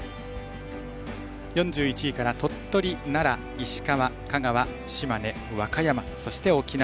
４１位から、鳥取、奈良、石川香川、島根、和歌山そして沖縄。